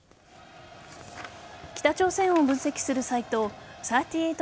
北朝鮮を分析するサイト３８